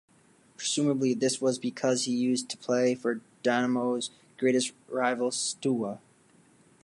Presumably, this was because he used to play for Dinamo's greatest rivals, Steaua.